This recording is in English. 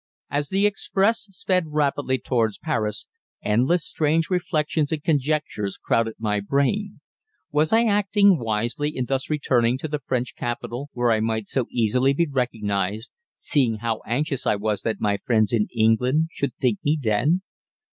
As the express sped rapidly towards Paris, endless strange reflections and conjectures crowded my brain. Was I acting wisely in thus returning to the French capital, where I might so easily be recognized, seeing how anxious I was that my friends in England should think me dead?